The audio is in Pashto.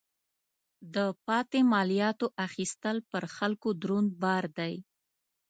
د پاتې مالیاتو اخیستل پر خلکو دروند بار دی.